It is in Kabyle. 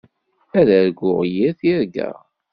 Ad arguɣ yir tirga.